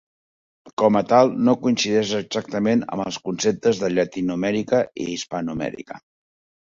Com a tal, no coincideix exactament amb els conceptes de Llatinoamèrica i Hispanoamèrica.